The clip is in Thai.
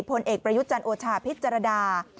ผลเอกประยุจันทร์โอชาพิจารณา